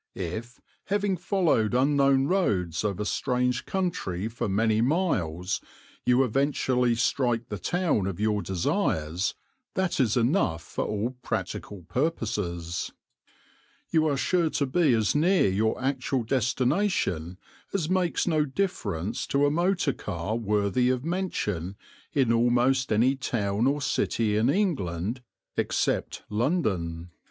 If, having followed unknown roads over strange country for many miles, you eventually strike the town of your desires, that is enough for all practical purposes. You are sure to be as near your actual destination as makes no difference to a motor car worthy of mention in almost any town or city in England except London.